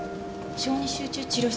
小児集中治療室？